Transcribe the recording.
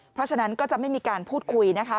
เพราะฉะนั้นก็จะไม่มีการพูดคุยนะคะ